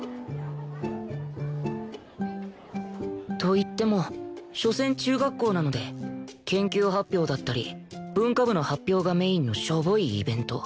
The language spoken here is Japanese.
といってもしょせん中学校なので研究発表だったり文化部の発表がメインのしょぼいイベント